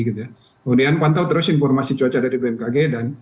kemudian pantau terus informasi cuaca dari bmkg